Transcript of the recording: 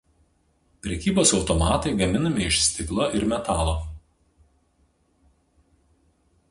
Prekybos automatai gaminami iš stiklo ir metalo.